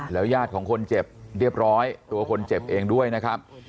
ยาดของคนเจ็บเรียบร้อยตัวคนเจ็บเองด้วยนะครับ